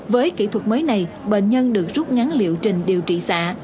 với kỹ thuật mới này bệnh nhân được rút ngắn liệu trình điều trị xạ